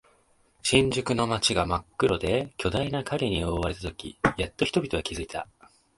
新宿の街が真っ黒で巨大な影に覆われたとき、やっと人々は気づいた。